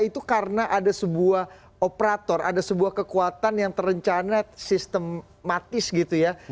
itu karena ada sebuah operator ada sebuah kekuatan yang terencana sistematis gitu ya